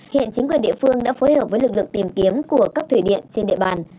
hiện chính quyền địa phương đã phối hợp với lực lượng tìm kiếm của các thủy điện trên địa bàn